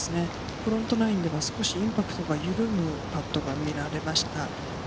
フロントナインでも少しインパクトが緩むパットが見られました。